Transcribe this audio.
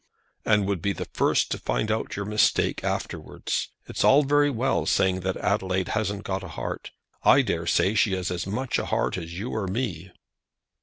"And would be the first to find out your mistake afterwards. It's all very well saying that Adelaide hasn't got a heart. I dare say she has as much heart as you or me."